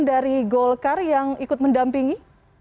dari golkar yang ikut mendampingi